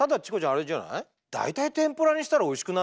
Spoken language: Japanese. あれじゃない？